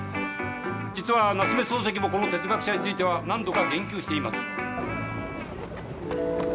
実は夏目漱石もこの哲学者については何度か言及しています。